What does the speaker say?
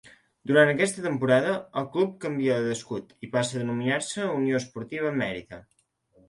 Durant aquesta temporada, el club canvia d'escut i passa a denominar-se Unió Esportiva Mèrida.